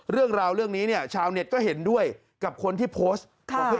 เรื่องราวเรื่องนี้เนี่ยชาวเน็ตก็เห็นด้วยกับคนที่โพสต์บอก